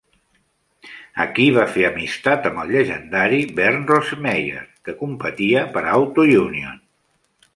Aquí va fer amistat amb el llegendari Bernd Rosemeyer, que competia per a Auto Union.